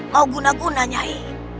mau guna guna nyai